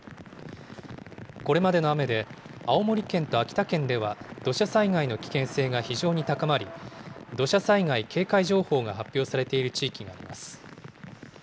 これまでの雨で、青森県と秋田県では、土砂災害の危険性が非常に高まり、土砂災害警戒情報が発表されている地域があります。